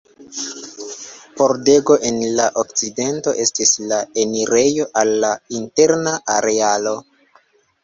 Pordego en la okcidento estis la enirejo al la interna arealo.